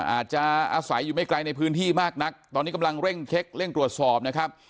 อาจจะอาศัยอยู่ไม่ไกลในพื้นที่มากนักตอนนี้กำลังเร่งเช็คเร่งตรวจสอบนะครับ